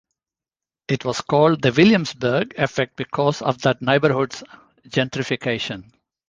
It was called the Williamsburg effect because of that neighborhood's gentrification.